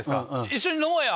一緒に飲もうよ！